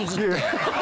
ハハハハ！